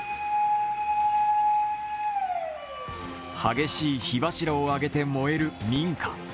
激しい火柱を上げて燃える民家。